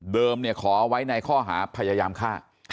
เดิมขอเอาไว้ในข้อหาพยายามค่ะ